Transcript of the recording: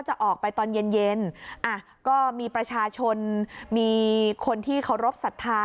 จะออกไปตอนเย็นเย็นอ่ะก็มีประชาชนมีคนที่เคารพสัทธา